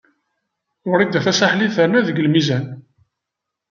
Wrida Tasaḥlit terna deg lmizan.